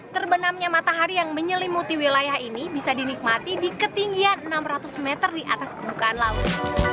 terbenamnya matahari yang menyelimuti wilayah ini bisa dinikmati di ketinggian enam ratus meter di atas permukaan laut